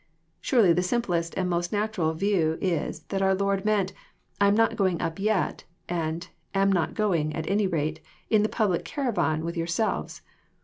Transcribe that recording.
Surely the simplest and most natural • view is, that our Lord meant, I am not going up yet; " and '* am not going, at any rate. In the public caravan with your selves."